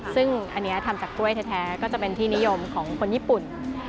ซึ่งอันนี้ทำจากกล้วยแท้ก็จะเป็นที่นิยมของคนญี่ปุ่น